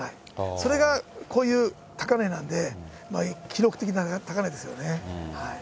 それがこういう高値なんで、記録的な高値ですよね。